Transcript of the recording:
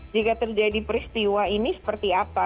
jika terjadi peristiwa ini seperti apa